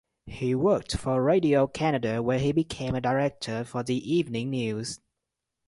He worked for Radio-Canada where he became a director for the Evening News.